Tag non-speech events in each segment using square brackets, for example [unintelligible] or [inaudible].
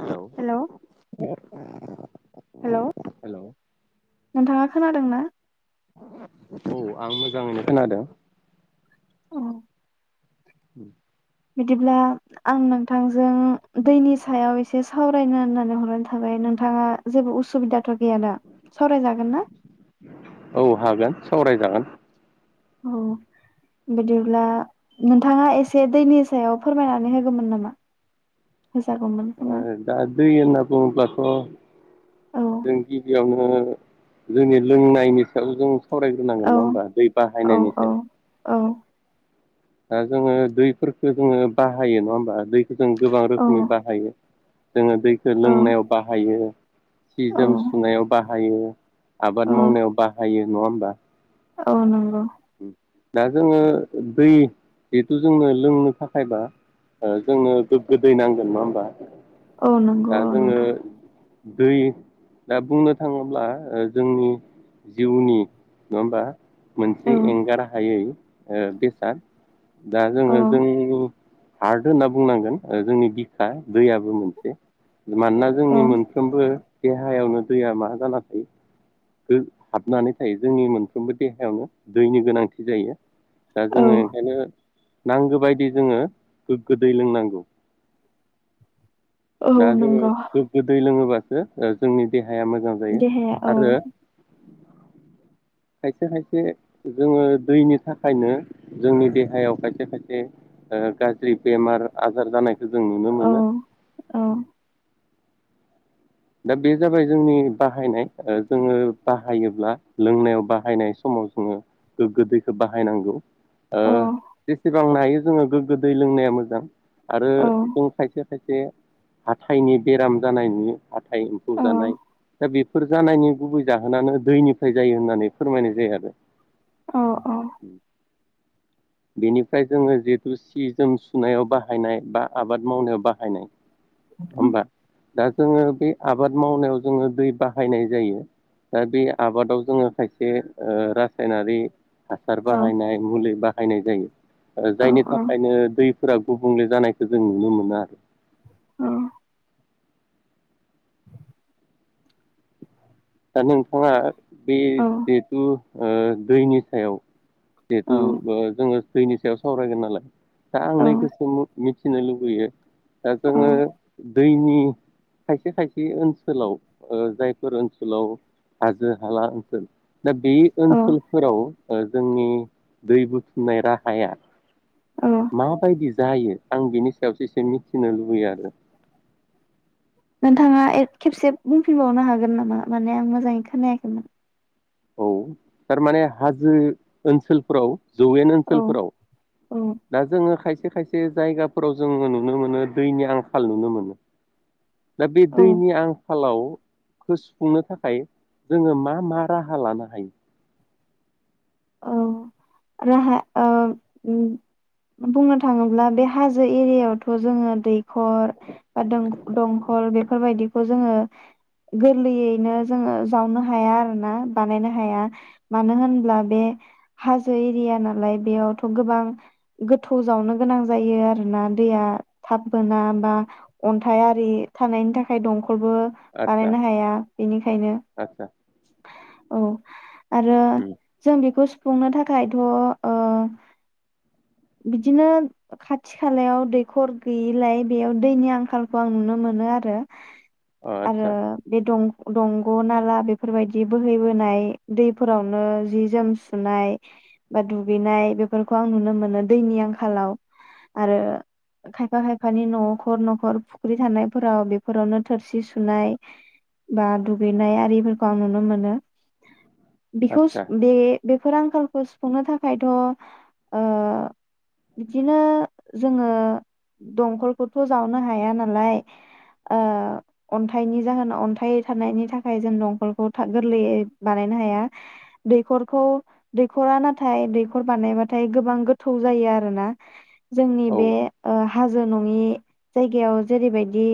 Hello hello hello नोंथाङा खोनादों ना? औ आं मोजाङैनो खोनादों। औ उम। बिदिब्ला आं नोंथांजों दैनि सायाव एसे सावरायनो होननानै हरनाय थाबाय नोंथाङा जेबो उसुबिदा थ' गैया ना सावरायजागोन ना? औ हागोन सावरायजागोन औ बिदिब्ला नोंथाङा एसे दैनि सायाव फोरमायनानै होगोमोन नामा? होजागौमोन ओ खोमा दा दै होनना बुङोब्लाथ' औ जों गिबियाव नो जोंनि लोंनायनि सायाव जों सावरायग्रोनांगोन औ नङा होमबा दै औ बाहायनायनि औ सायाव औ। दा जोङो दैफोरखो जोङो बाहायो नङा होमबा दै जों गोबां औ रोखोमै बाहायो। जोङो दैखौ औ लोंनायाव बाहायो। सि औ जोम सुनायाव बाहायो औ आबाद मावनायाव बाहायो। नङा होमबा। औ नंगौ। दा जोङो दै जिहेथु जोंनो लोंनो थाखायबा जोंनो गोग्गो दै नांगोन नङा होमबा? औ नंगौ दा औ जोङो नोंथां। दै दा बुंनो थाङोब्ला जोंनि जिउनि नङा होमबा मोनसे औ ए एंगार हायै ओ बेसाद। दा औ जोङो जोंनि हार्द होनना बुंनांगोन जोंनि बिखा दैयाबो मोनसे। मानोना औ जोंनि मोनफ्रोमबो देहायावनो दैया मा जाना थायो हाबनानै थायो जोंनि मोनफ्रोमबो देहायावनो दैनि गोनांथि जायो। दा औ जोङो ओंखायनो नांगौ बायदि जोङो गोग्गो दै लोंनांगौ। औ दा जोङो नंगौ गोग्गो दै लोङोबा जोंनि देहा देहाया मोजां जायो देहाया औ आरो। खायसे खायसे जोङो दैनि थाखायनो जोंनि देहायाव खायसे खायसे गाज्रि बेमार आजार जानायखौ जों नुनो औ मोनो। औ दा बे जाबाय जोंनि बाहायनाय ओ जोङो बाहायोब्ला लोंनायाव बाहायनाय समाव जोङो गोग्गो दैखौ बाहायनांगौ। ओ औ जेसेबांनो हायो जोङो गोगो दै लोंनाया मोजां। आरो औ जों खाइसे खायसे हाथायनि बेराम जानाय नुयो। हाथाइ एम्फौ औ जानाय दा बे फोर जानायनि गुबै जाहोनानै दैनिफ्राय जायो होननानै फोरमायनाय जायो आरो। औ औ उ बेनिफ्राय जोङो जिहेतु सि जोम सुनायाव बाहायनाय बा आबाद मावनायाव बाहायनाय। होमबा दा जोङोब बे आबाद मावनायाव जोङो दै बाहायनाय जायो दा बे आबादाव जोङो खायसे ओ रासायनारि हासार औ बाहायनाय मुलि बा बायनाय जायो। ओ जायनि थाखायनो दै फोरा गुबुंले जानायखो जों नुनो मोनो आरो औ दा नोंथाङा बे जेहेतु ओ दैनि सायाव जिहेथु ओ जोङो दैनि सायाव सावरायगोन नालाय दा आं औ नै गोसो मो मिथिनो लुबैयो दा जोङो दैनि खायसे खायसे बि ओनसोलाव ओ जायफोर ओनस सोलाव हाजो हाला ओनसोल दा बे ओनसोलफोराव ओ जोंनि दै बुथुमनाय राहाया माबायदि जायो? आं बिनि सायावसो एसे मिथिनो लुबैयो आरो नोंथाङा ए खेबसे बुंफिनबावनो हागोन नामा माने आं मोजाङै खोनायाखैमोन औ थारमाने हाजो ओनसोलफोराव जौयेन औ ओनसोलफोराव औ दा जोङो खायस खायसे खायसे जायगाफोराव जोङो नुनो मोनो दैनि आंखाल नुनो मोनो। दा बे औ दैनि आंख खालाव खोस सुफुंनो थाखाय जोङो मा मा राहा लानो हायो? औ राहा ओम उम बुंनो थाङोब्ला बे हाजो एरियावथ' जोङो दैखर बा दंख दंखल बेफोरबायदिखौ जोङो गोरलैयैनो जोङो जावनो हाया आरोना बानायनो हाया मानो होनब्ला बे हाजो एरिया नालाय बेयावथ' गोबां गोथौ जावनो गोनां जायो आरोना दैया थाब बोना बा अन्थाइ आरि थानायनि थाखाय दंफ फोरबो आदसा बानायनो हाया बेनिखायनो आदसा औ आरो उम जों बेखौ सु फुंनो थाखायथ' ओ बिदिनो खाथि खालायाव दैखर गैयिलाय बेयाव दैनि आंखालखौ आं नुनो मोनो आरो अ आरो आदसा बे दं दंग' नाला बे फोरबायदि बोहैबोनाय दैफोरावनो जि जोम सुनाय बा दुगैनाय बेफोरखौ आं नुनो मोनो दैनि आंखालाव आरो खायफा खायफानि न'खर न'खर फुख्रि थानायफोराव बेफोरावनो थोरसि सुनाय बा दुगैनाय आरिफोर खोम नुनो मोनो। बिखस आदसा बे बेफोर आंखालखौ सुफुंनो थाखायथ'ओ बिदिनो जोङो दंखलखौथ' जावनो हाया नालाय ओ अन्थाइनि जाहोनाव अन्थाइ थानायनि थाखाय जों दंखल [inaudible] गोरलैयै बानायनो हाया दैखरखौ दैखरा नाथाय दैखर बानायबाथाय गोबां गोथौ जायो आरो ना जोंनि औ बे ओ हाजो नङि जायगायाव जेरैबायदि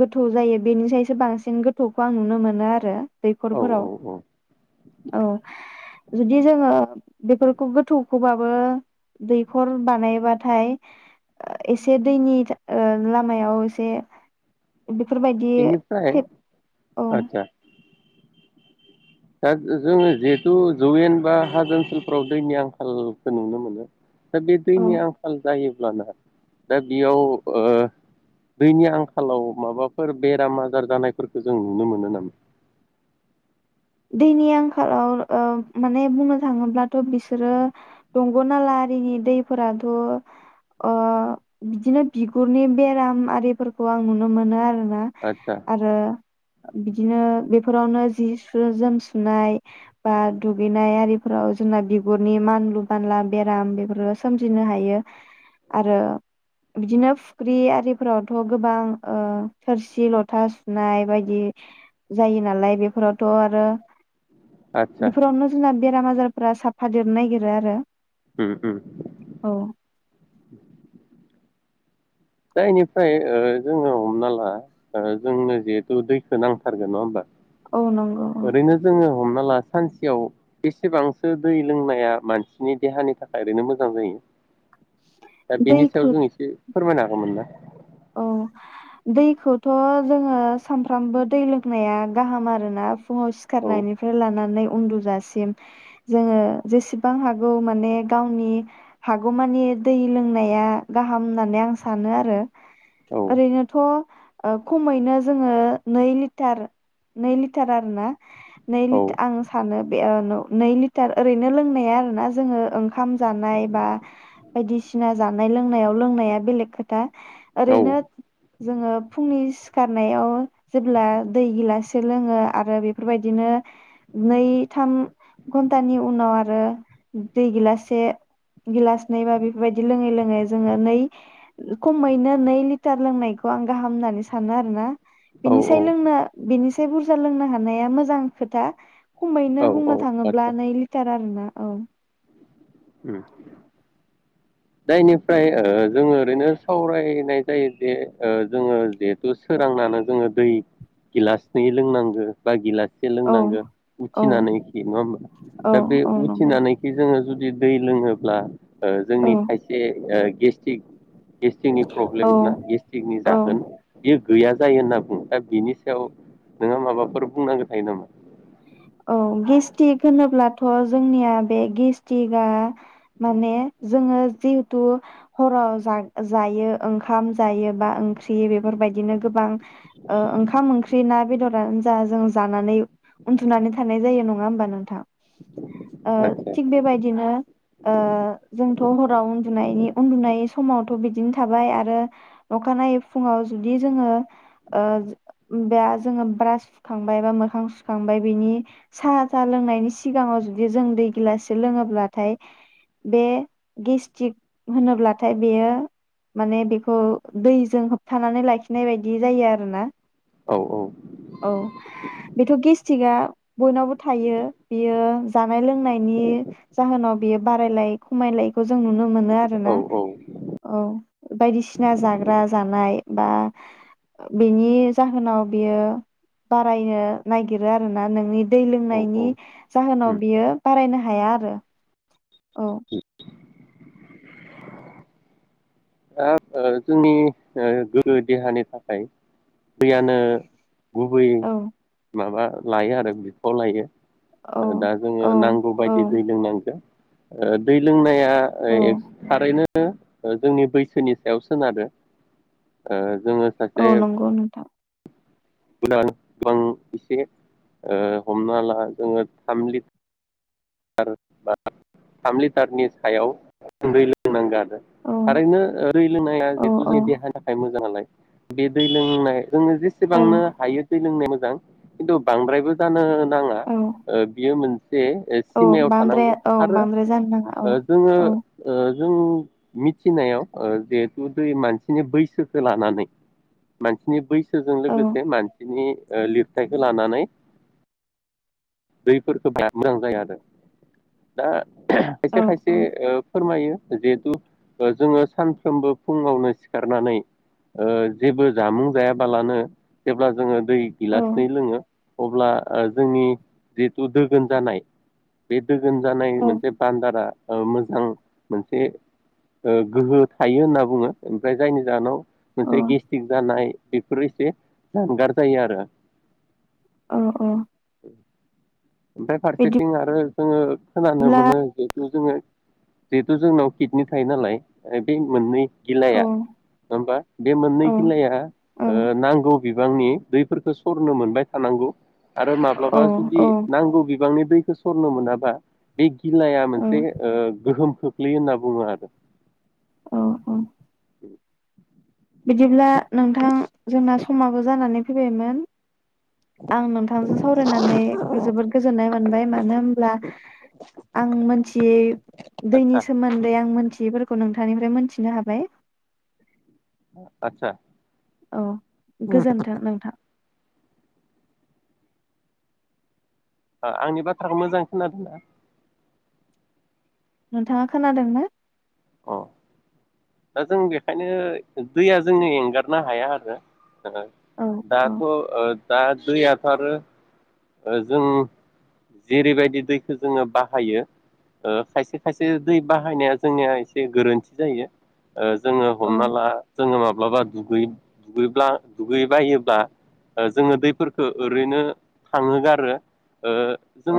गोथौ जायो बेनिसायसो बांसिन गोथौखौ आं नुनो मोनो आरो। औ दैखरफोराव औ औ औ जुदि जोङो बेफोरखौ गोथौखौ बाबो दैखर बानायबाथाय ओ एसे दैनि ओ लामायाव एसे बेफोरबायदि बेनिफ्राय [unintelligible] औ आदसा दा जोङो जिहेथु जौवेन बा हाजो ओनसोलफ्राव दैनि आंखालखौ नुनो मोनो दा बे औ दैनि आंखाल जायो दा बेयाव दैनि आंखालाव माबाफोर बेराम आजार जानायफोरखौ जों नुनो मोनो नामा? दैनि आंखालाव माने बुंनो थाङोब्लाथ' बिसोरो दंग'नाला आरिनि दैफोराथ' ओ बिदिनो बिगुरनि बेराम आरिफोरखौ आं नुनो मोनो आरो। आदसा आरो। बिदिनो बेफोरावनो जि। जोम सुनाय बा दुगैनाय आरिफोराव जोंना बिगुरनि मानलु बानला बेराम बेफोरो सोमजिनो हायो आरो बिदिनो फुख्रि आरिफोरावथ' गोबां थोरसि लथा सुनाय बायदि। जायो नालाय बेफोराव थ'आरो। आदसा बेफोरावनो जोंना बेराम आजारफोरा साफा देरनो नागिरो आरो। उम उम। औ जायनिफ्राय जोङो हमना ला जोंनो जिहेथु दैखौ नांथारगोन नङा होमबा। औ नंगौ औ ओरैनो जोङो। हमना ला सानसेयाव बेसेबांसो दै लोंनाया मानसिनि देहानि थाखाय ओरैनो मोजां जायो। दा बेनि सायाव दैखौ जों एसे। फोरमायनो हागौमोन ना। औ दैखौथ' जोङो सानफ्रामबो दै लोंनाया गाहाम आरोना। फुङाव औ सिखारनायनिफ्राय लानानै। उन्दुजासिम जोङो जेसेबां हागौ माने गावनि हागौमानि दै लोंनाया गाहाम होननानै आं सानो आरो। औ ओरैनोथ'। ओ खमैनो जोङो नै लिटार नै लिटार आरो ना। नै औ लिट आङो। थाङो बे नै लिटार ओरैनो लोंनाया आरो ना जोङो ओंखाम जानाय बा बायदिसिना जानाय लोंनायाव लोंनाया बेलेग खोथा। औ ओरैनो जोङो फुंनि सिखारनायाव जेब्ला दै गिलाससे लोङो आरो बेफोरबायदिनो नै थाम घन्टानि उनाव आरो दै गिलासे गिलासनै बा बेफोरबायदि लोङै लोङै जोङो नै खमैनो नै लिटार लोंनायखौ आं गाहाम होननानै सानो आरो ना बेनिसाय औ औ लोबा बेनिसाय बुरजा लोंनो हानाया मोजां खोथा खमैनो औ औ बुंनो थाङोब्ला आदसा नै लिटार आरोना औ। जायनिफ्राय ओ जोङो ओरैनो सावरायनाय जायो जे जोङो जिहेथु सोरांनानै जोङो दै गिलासनै लोंनांगो बा गिलास औ लोंनांगो औ उथिनानैखि नङा होमबा औ दा बे औ नंगौ उथिनानैखि जोङो जु जदि दै लोङोब्ला। ओ औ जोंनि गे ओ गेस्टिक। गेस्टिकनि प्रब्लेम औ ना गेसटिकनि औ जागोन बेयो गैया जायो होनना बुङो दा बिनि सायाव नोंहा माबाफोर बुंनांगौ थायो नामा? औ गेस्टिक होनोब्लाथ' जोंनिया बे गेस्टिकआ माने जोङो जिहेथु हराव जा जायो ओंखाम जायो बा ओंख्रि बेफोरबायदिनो गोबां ओ ओंखाम ओंख्रि ना बेदरानो जा जों जानानै उन्दु दुनानै थानाय जायो नङा होमबा नोंथां? ओ आदसा थिग बेबायदिनो ओ जों थ' हराव उन्दुनायनि उन्दुनाय समावथ' बिदिनो थाबाय आरो अखानायै फुङाव जुदि जोङो ओ बे जोङो ब्रास सुखांबाय बा मोखां सुखांबाय बिनि साहा साहा लोंनायनि सिगाङाव जुदि जों दै गिलाससे लोङोब्लाथाय बे गेस्टिक होनोब्लाथाय बेयो माने बेखौ दैजों होबथानानै लाखिनाय बायदि जायो आरो ना। औ औ औ बेथ' गेस सिगाव बयनावबो थायो बियो जानाय लोंनायनि जाहोनाव बियो बारायलाय खमायलाय खौ जों नुनो मोनो औ आरोना। औ औ बायदिसिना जाग्रा जानाय बा बिनि जाहोनाव बियो बारायनो नाय गिरो आरो ना नोंनि दै औ लोंनायनि औ जाहोनाव उम बियो बारायनो हा हाया आरो। औ। ओ ओ जोंनि ओ गोगो देहानि थाखाय दैयानो गुबै औ माबा लायो आरो बिफाव लायो। औ दा जोङो औ नांगौ औ बायदि दै लोंनांगो। ओ दै लोंनाया दा औ ओ थारैनो ओ ओ जोंनि बै सोरनि सायाव सोनारो। ओ जोङो सासे औ नंगौ नोंथां। गोदान गोबां एसे ओ हामना ला जोङो थाम लि [unintelligible] थाम लिटारनि सायाव गुन्दै लोंनांगोन। औ थारैनो ओ दै लोंनाया औ जिहेथु औ जोंनि देहानि थाखाय मोजां नालाय। बे दै लोंनाय जोङो औ जेसेबांनो हायो दै लोंनाया मो जां खिन्थु बांद्रायबो जानो नाङा औ ओ बियो मोन- से एस- औ सिमायाव बांद्राय थानांगौ औ आरो बांद्राय जानो नाङा औ ओ जोङो औ ओ जों मिथिनायाव ओ जिहेथु दै मानसिनि बैसोखो लानानै मानसिनि बैसो जों औ लोगोसे मानसि बिनि ओ लिरथायखो लानानै दैफोरखो [unintelligible] मोजां जाया आरो दा औ खायसे खायसे ओ फोरमायो जिहेतु ओ जोङो सानफ्रोमबो फुङावनो सिखारनानै ओ जेबो जामुं जायाबालानो जेब्ला जोङो दै औ गिलास नै लोङो अब्ला जोंनि जिहेतु दोगोन जानाय बे दोगोन जानाय औ मोनसे बान्दारा औ मोजां मोनसे ओ गोहो थायो होनना बुङो ओमफ्राय जायनि जाहोनाव औ मोनसे गेस्टिक जानाय बेफोर एसे जानगार जायो आरो औ औ [inaudible] ओमफाय फारसेथिं आरो जोङो खोनानो बिदिब्ला मोनो जिहेतु जोङो जिहेतु जोंनाव किडनि खायो नालाय बे मोननै औ गिलाया नङा होमबा बे मोननै औ गिलाया ओ औ नांगौ बि बांनि दैफोरखौ सरनो मोनबाय थानांगौ। आरो औ माब्लाबा जुदि नांगौ बिबांनि दैखौ सर नो मोनाबा बे गिलाया मोनसे औ ओ गोहोम खोख्लैयो होनना बुङो आरो औ औ बिदिब्ला नोंथां जोंना समाबो जानानै फैबायमोन आं नोंथांजों सावरायनानै जोबोद गोजोननाय मोनबाय मानो होमब्ला आं मोनथियै आदसा दैनि सोमोन्दै आं मोनथियैफोरखौ नोंथां नोंथांनिफ्राय मोनथिनो हाबाय। आतसा औ गोजोन्थों नोंथां। ओ आंनि बाथ्राखौ मोजां खोनादोंना? नोंथाङा खोनादों ना? अ दा जों बेखायनो दैया जोंनि एंगारनो हाया आरो ओ औ औ दाथ' ओ दा दैयाथ' आरो ओ जों जेरैबायदि दैखौ जोङो बाहायो ओ खायसे खायसे दै बाहायनाया जोंनिया इसे गोरोन्थि जायो। ओ जोङो औ हमना ला जोङो माब्लाबा दुगै दुगैब्ला दुगैबायोब्ला ओ जोङो दैफोरखो ओरैनो थांहोगारो। ओ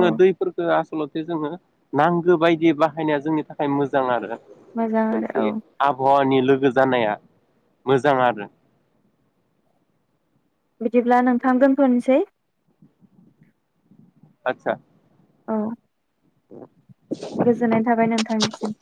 औ दैफोरखो आख सलथे जोङो नांगौ बायदि बाहायनाया जोंनि थाखाय मोजां आरो मोजां आरो मोनसे औ आबहावानि लोगोज जानाया मोजां आरो बिदिब्ला नोंथां दोनथनिसै आदसा औ [inaudible] गोजोननाय थाबाय नोंथांनिसिम।